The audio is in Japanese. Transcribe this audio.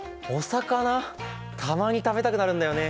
たまに食べたくなるんだよね。